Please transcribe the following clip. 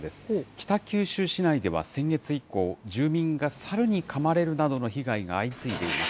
北九州市内では先月以降、住民が猿にかまれるなどの被害が相次いでいます。